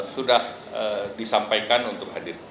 sudah disampaikan untuk hadir